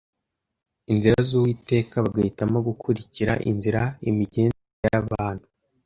inzira z’Uwiteka bagahitamo gukurikirainzira imigenzereze y’abantu